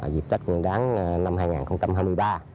dịp tết nguyên đáng năm hai nghìn hai mươi ba